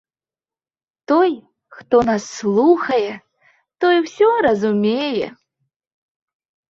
Той, хто нас слухае, той усё разумее.